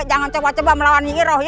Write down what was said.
jangan coba coba melawan iroh